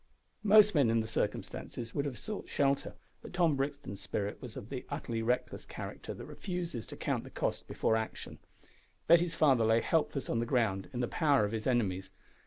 Most men in the circumstances would have sought shelter, but Tom Brixton's spirit was of that utterly reckless character that refuses to count the cost before action. Betty's father lay helpless on the ground in the power of his enemies!